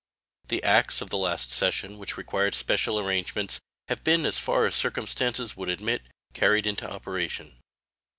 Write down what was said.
The acts of the last session which required special arrangements have been as far as circumstances would admit carried into operation.